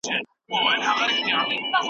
مدارونه یې باید په دوامداره توګه وڅارل شي.